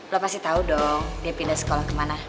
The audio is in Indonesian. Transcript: lo pasti tahu dong dia pindah sekolah kemana